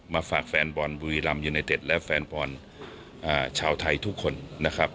ฝากแฟนบอลบุรีรำยูไนเต็ดและแฟนบอลชาวไทยทุกคนนะครับ